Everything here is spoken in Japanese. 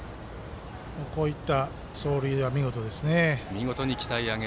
こういった走塁は見事ですね。